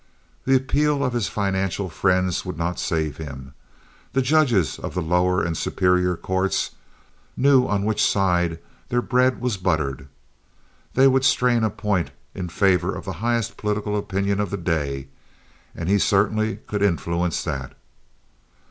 The appeal of his financial friends would not save him. The judges of the lower and superior courts knew on which side their bread was buttered. They would strain a point in favor of the highest political opinion of the day, and he certainly could influence that.